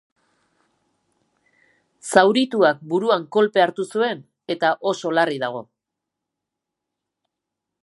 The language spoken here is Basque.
Zaurituak buruan kolpea hartu zuen, eta oso larri dago.